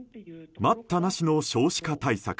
待ったなしの少子化対策。